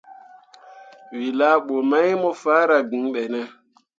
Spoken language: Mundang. We laa bə mai mo faara gŋ be ne?